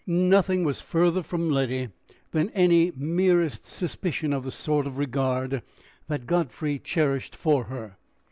Nothing was further from Letty than any merest suspicion of the sort of regard Godfrey cherished for her.